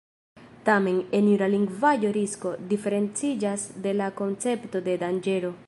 Tamen, en jura lingvaĵo „risko“ diferenciĝas de la koncepto de „danĝero“.